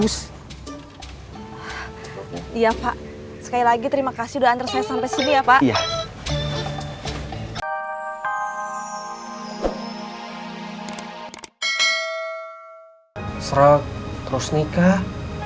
sre terus nikah